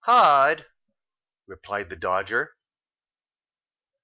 "Hard," replied the Dodger.